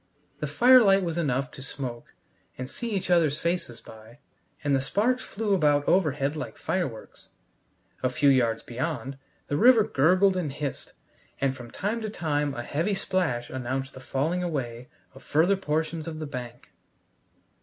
The firelight was enough to smoke and see each other's faces by, and the sparks flew about overhead like fireworks. A few yards beyond, the river gurgled and hissed, and from time to time a heavy splash announced the falling away of further portions of the bank.